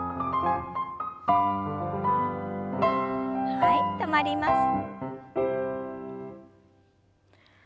はい止まります。